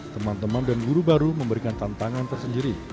teman teman dan guru baru memberikan tantangan tersendiri